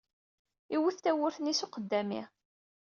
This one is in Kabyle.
Iwet tawwurt-nni s uqeddami.